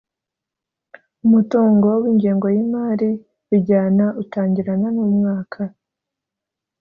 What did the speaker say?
Umutungo w’ingengo y’imari bijyana utangirana n’umwaka